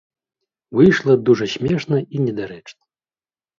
Выйшла дужа смешна і недарэчна.